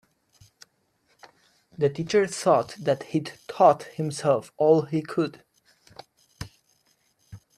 The teacher thought that he'd taught himself all he could.